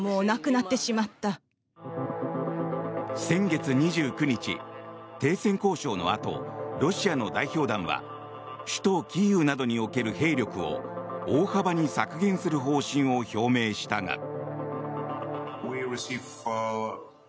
先月２９日、停戦交渉のあとロシアの代表団は首都キーウなどにおける兵力を大幅に削減する方針を表明したが。